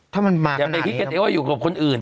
ถ้ามันมาอย่าไปคิดกันเองว่าอยู่กับคนอื่น